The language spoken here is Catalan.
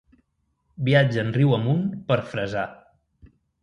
Viatgen riu amunt per fresar.